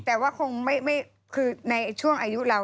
แต่ว่าคงไม่คือในช่วงอายุเรา